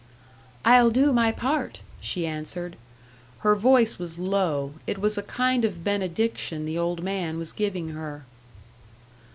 "I'll do my part," she answered. Her voice was low; it was a kind of benediction the old man was giving her.